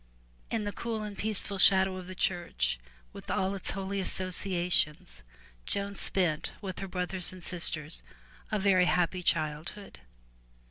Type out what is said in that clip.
In the cool and peaceful shadow of the church with all its holy associations, Joan spent with her brothers and sisters a very happy childhood.